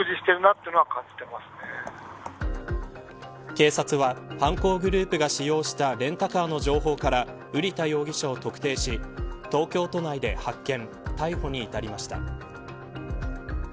警察は犯行グループが使用したレンタカーの情報から瓜田容疑者を特定し東京都内で発見逮捕に至りました。